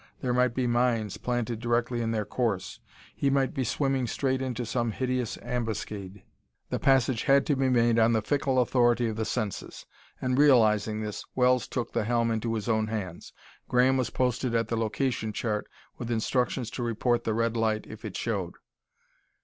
There might be mines planted directly in their course; he might be swimming straight into some hideous ambuscade. He drove these thoughts from his mind. The passage had to be made on the fickle authority of the senses; and, realizing this, Wells took the helm into his own hands. Graham was posted at the location chart, with instructions to report the red light if it showed.